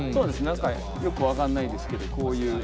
何かよく分かんないですけどこういう。